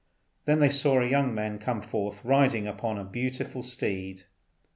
Then they saw a young man come forth riding upon a beautiful steed.